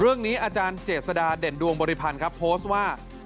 อาจารย์เจษฎาเด่นดวงบริพันธ์ครับโพสต์ว่า